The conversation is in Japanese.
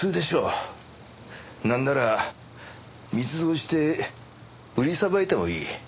なんなら密造して売りさばいてもいい。